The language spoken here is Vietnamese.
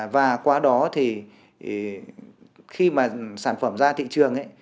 và qua đó thì khi mà sản phẩm ra thị trường